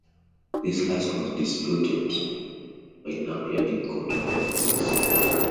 This last was disputed by Napier in court without success.